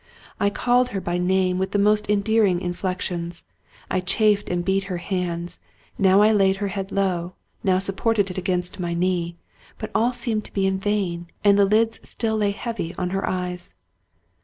I called her by name with the most endearing inflections; I chafed and beat her hands ; now I laid her head low, now supported it against my knee ; but all seemed to be in vain, and the lids still lay heavy on her eyes.